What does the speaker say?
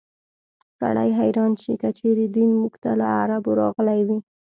سړی حیران شي که چېرې دین موږ ته له عربو راغلی وي.